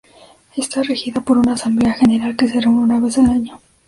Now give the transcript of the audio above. Está regida por una Asamblea General, que se reúne una vez al año.